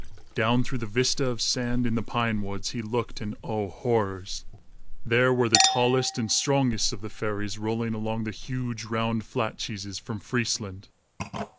Down through the vista of sand, in the pine woods, he looked, and oh, horrors! There were the tallest and strongest of the fairies rolling along the huge, round, flat cheeses from Friesland!